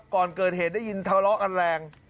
ก่อนเกิดเหตุได้ยินทะเลาะกันแรง